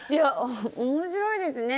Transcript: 面白いですね。